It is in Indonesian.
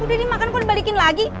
udah dimakan kok dibalikin lagi